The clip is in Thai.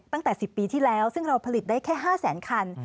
ตั้งแต่๑๐ปีที่แล้วซึ่งเราผลิตได้แค่๕แสนคัน